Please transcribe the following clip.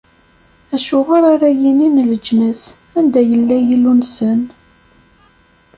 Acuɣer ara yinin leǧnas: Anda yella Yillu-nsen?